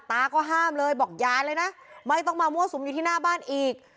ตาก็ห้ามเลยบอกอย่าเลยนะไม่ต้องมามั่วสุมอยู่ที่หน้าบ้านอีก